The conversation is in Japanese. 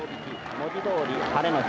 文字どおり晴れの日。